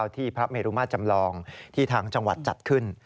ที่พระเมรุมาจำลองที่ทางจังหวัดจัดขึ้น